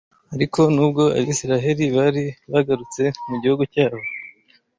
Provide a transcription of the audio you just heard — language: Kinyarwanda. Ariko n’ubwo Abisirayeli bari bagarutse mu gihugu cyabo